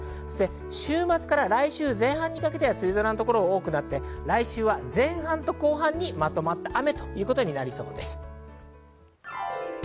週末から来週前半にかけては梅雨空の所が多くなって来週は前半と後半にまとまった雨となりそうです。